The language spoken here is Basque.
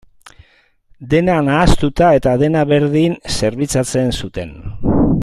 Dena nahastuta eta dena berdin zerbitzatzen zuten.